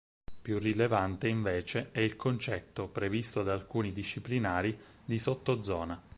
Più rilevante, invece, è il concetto, previsto da alcuni disciplinari, di sottozona.